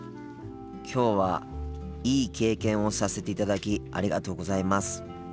今日はいい経験をさせていただきありがとうございます。